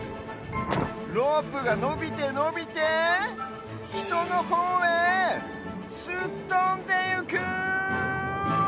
ロープがのびてのびてひとのほうへすっとんでゆく！